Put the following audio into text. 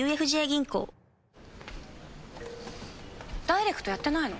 ダイレクトやってないの？